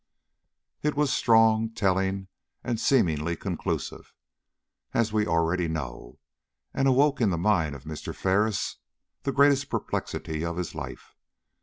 It was strong, telling, and seemingly conclusive, as we already know; and awoke in the mind of Mr. Ferris the greatest perplexity of his life.